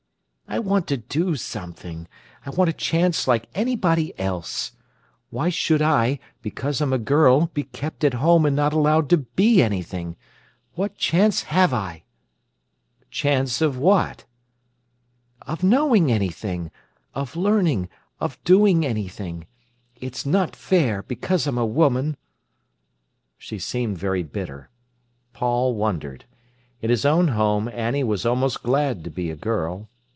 "I want to do something. I want a chance like anybody else. Why should I, because I'm a girl, be kept at home and not allowed to be anything? What chance have I?" "Chance of what?" "Of knowing anything—of learning, of doing anything. It's not fair, because I'm a woman." She seemed very bitter. Paul wondered. In his own home Annie was almost glad to be a girl.